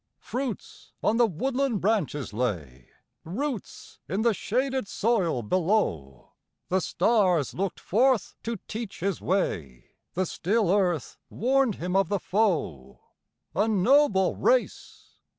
Fruits on the woodland branches lay, Roots in the shaded soil below, The stars looked forth to teach his way, The still earth warned him of the foe. A noble race!